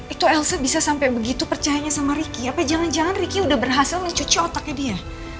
itu elsa bisa sampe begitu percaya sama riki atau jangan jangan riki udah berhasil ngecuci otaknya dia